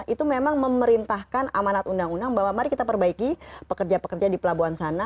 itu memang memerintahkan amanat undang undang bahwa mari kita perbaiki pekerja pekerja di pelabuhan sana